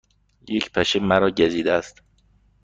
یک پشه مرا گزیده است.